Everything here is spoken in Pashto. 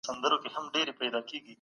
دا خواړه د بدن لپاره مناسب نه دي.